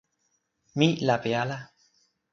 mi lape ala.